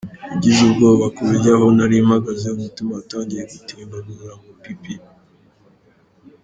Nagize ubwoba ku buryo aho nari mpagaze, umutima watangiye gutimbagura ngo ’pi pi .